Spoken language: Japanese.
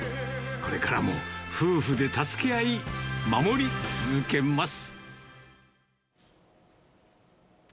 これからも夫婦で助け合い、守り続けます。